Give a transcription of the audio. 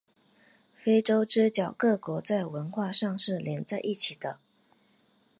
非洲之角各国在文化上是连在一起的。